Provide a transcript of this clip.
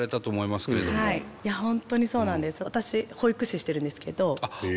私保育士してるんですけど。